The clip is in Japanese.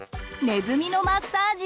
「ネズミのマッサージ」。